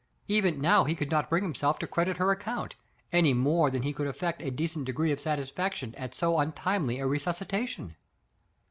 Even now he could not bring himself to credit her account, any more than he could affect a decent degree of satisfaction at so untimely a resuscitation.